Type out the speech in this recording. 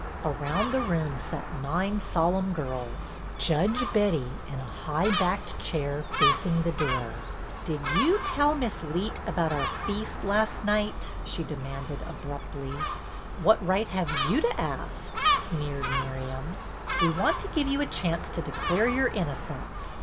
Around the room sat nine solemn girls, Judge Betty in a high backed chair facing the door. " Did you tell Miss Leet about our feast last night .J* " she demanded abruptly. " What right have you to ask " sneered Miriam. "We want to give you a chance to declare your innocence.